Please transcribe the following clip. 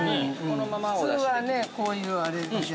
普通は、こういうあれで。